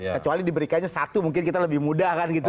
kecuali diberikannya satu mungkin kita lebih mudah kan gitu